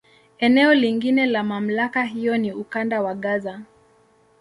Eneo lingine la MamlakA hiyo ni Ukanda wa Gaza.